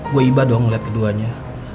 gue iba dong ngeliat keduanya